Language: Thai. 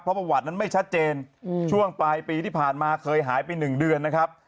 เพราะประวัตินั้นไม่ชัดเจนช่วงปลายปีที่ผ่านมาเคยหายไป๑เดือนนะครับ